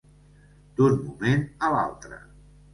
D'un moment a l'altre.